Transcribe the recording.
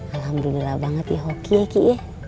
alhamdulillah banget ya hoki ya ki